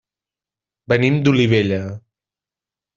Venim d'Olivella.